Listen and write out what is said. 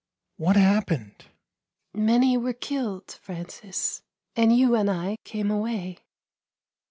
What happened?" " Many were killed, Francis, and you and I came away."